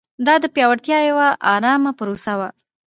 دا د پیاوړتیا یوه ارامه پروسه وه.